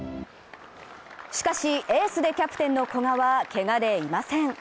しかし、エースでキャプテンの古賀はけがでいません。